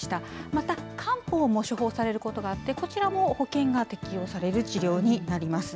また、漢方も処方されることがあって、こちらも保険が適用される治療になります。